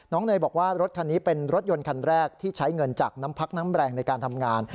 เนยบอกว่ารถคันนี้เป็นรถยนต์คันแรกที่ใช้เงินจากน้ำพักน้ำแรงในการทำงาน